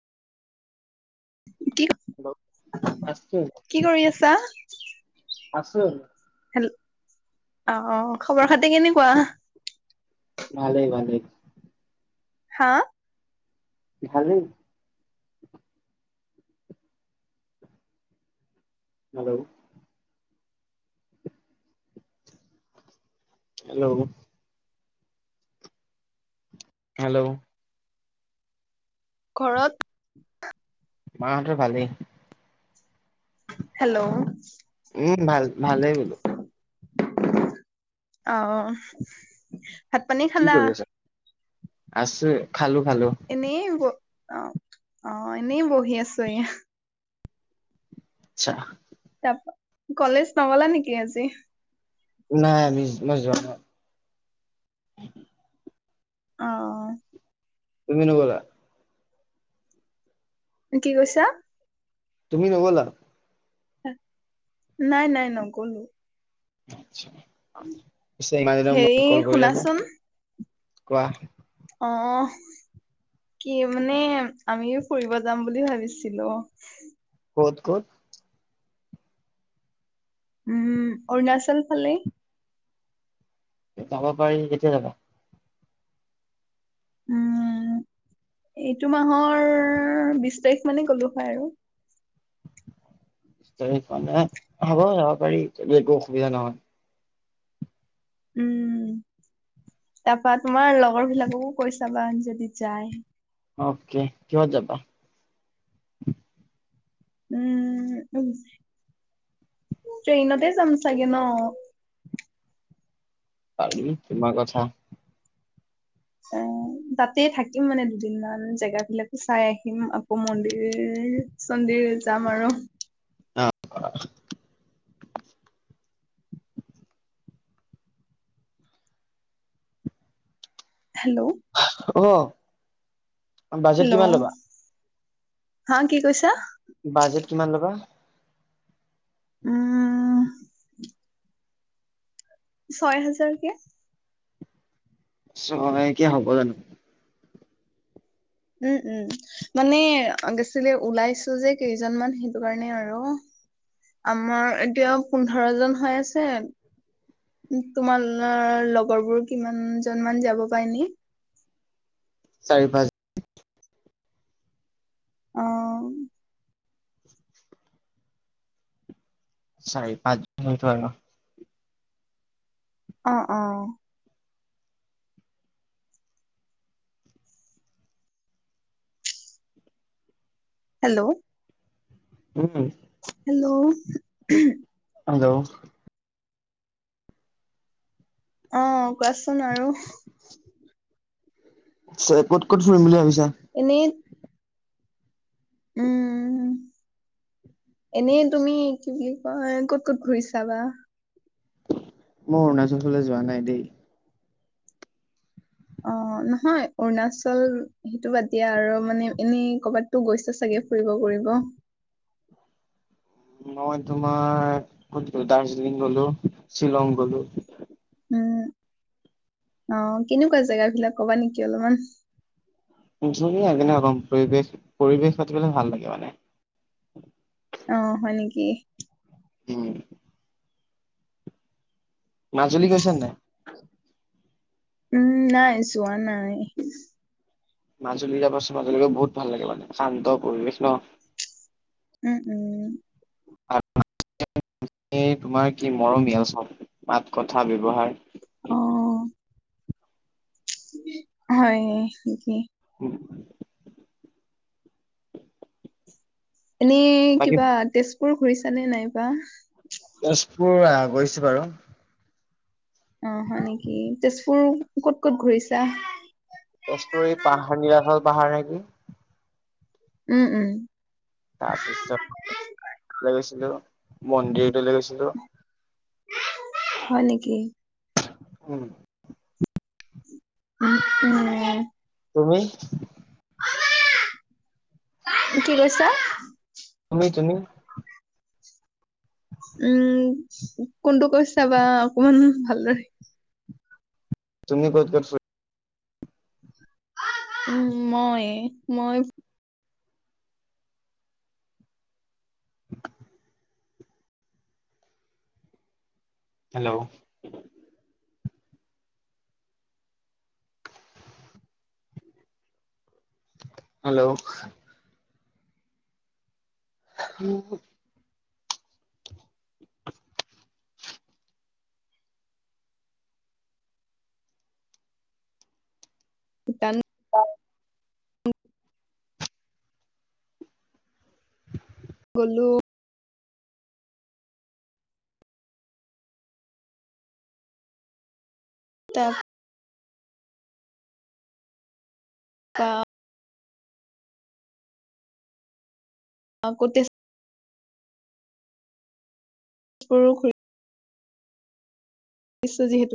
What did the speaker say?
[unintelligible] Hello আছো কি কৰি আছা? আছো। হেল্ল অ অ খবৰ খাতি কেনেকুৱা? ভালেই ভালেই। হা? ভালেই। হেল্ল হেল্ল হেল্ল ঘৰত মা হঁতৰ ভালেই। হেল্ল উম ভাল ভালেই বোলো। আহ। কি কৰি আছা? আছোঁ, খালো খালো। এনেই ব অ অ, এনেই বহি আছো এয়া। আচ্ছা। তাপা কলেজ নগ'লা নেকি আজি? নাই আমি মিচ মই যোৱা [unintelligible] অ অ। তুমি নগ'লা? কি কৈছা? তুমি নগ'লা? হয়। নাই নাই নগ'লো। পিছে ইমান দিনৰ হেৰি মোৰত কল কৰিলা যে, শুনাচোন কোৱা। অ'। কি মানে, আমিও ফুৰিব যাম বুলি ভাবিছিলো অ'। ক'ত, ক'ত। উম, অৰুণাচল ফালে। যাব পাৰি, কেতিয়া যাবা? উম, এইটো মাহৰ বিশ তাৰিখ মানে গ'লো হয় আৰু। বিশ তাৰিখ মানে, হ'ব যাব পাৰি, যদি একো অসুবিধা নহয়। উম, তাপা তোমাৰ লগৰ বিলাককো কৈ চাবা যদি যায়। অকে, কিহত যাবা? উম, ট্ৰেইনতে যাম চাগে ন! পাৰি, তোমাৰ কথা। অ', তাতেই থাকিম মানে দুদিনমান, জেগা বিলাকো চাই আহিম। আকৌ মন্দিৰ চন্দিৰ যাম আৰু। অ'। হেল্ল! অ'। Budget hello! কিমান ল'বা হা কি কৈছা? বাজেট কিমান ল'বা? উ। ছয় হাজাৰকে। ছয় এতিয়া হ'ব জানো? উ, উ, মানে, গেছিলে ওলাইছো যে কেইজনমান, সেইটো কাৰণে আৰু। আমাৰ এতিয়াও পোন্ধৰ জন হৈ আছে। তোমাৰ না লগৰ বোৰ কিমান জন মান যাব পায় নি? চাৰি পাঁচ। অ'। চাৰি পাঁচজন মই উঠাই লম। অ', অ'। হেল্ল! উ। হেল্ল! হেল্ল! অ', কোৱাচোন আৰু। চেফট ক'ত ফুৰিম বুলি ভাবিছা? এনেই। উ। এনেই তুমি, কি বুলি কয়, ক'ত ক'ত ঘূৰিছা বা? মই অৰুণাচল ফালে যোৱা নাই দেই। অ', নহয়, অৰুণাচল সেইটো বাদ দিয়া আৰু মানে এনে কৰ'বাত। তো গৈছে চাগে ফুৰিব ঘুৰিব। মই তোমাৰ, ক'ত গলো, দাৰ্জিলিং গলো, শ্বিলং গলো। উম অ', কেনেকুৱা জেগা বিলাক কবা নেকি অলমান। ধুনীয়া কেনেকে কম পৰিৱেশ, পৰিৱেশ নাথাকিলে ভাল লাগে মানে। অ' হয় নেকি? উম। মাজুলী গৈছানে নাই? উম, নাই যোৱা নাই। মাজুলী যাবাচোন, মাজুলী গৈ বহুত ভাল লাগে মানে, শান্ত পৰিৱেশ ন। উম উম। এই তোমাৰ কি মৰমীয়াল চব মাত, কথা ব্যৱহাৰ। অ'। হয় নি? [inaudible] এনেই বাকী কিবা তেজপুৰ ঘুৰিছা নে নাইবা? তেজপুৰ আহ গৈছো বাৰু। অ' হয় নেকি? তেজপুৰ ক'ত ক'ত ঘূৰিছা? তেজপুৰ এই পাহাৰ নীলাচল পাহাৰ নেকি। উম উম। তাৰপিছত গৈছিলো, মন্দিৰটো লৈ গৈছিলো। হয় নেকি? উম। [unintelligible] তুমি? কি কৈছা? তুমি তুমি? উম, কোনটো কৈছা বা অকমান ভালদৰে। তুমি ক'ত ক'ত ফুৰি উম, মই মই হেল্ল'! হেল্ল'! [inaudible] [inaudible] [unintelligible] [unintelligible] গ'লো। [unintelligible] গাওঁ। [unintelligible] সৰু খু নিশ্চয়। যিহেতু,